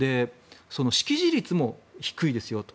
識字率も低いですよと。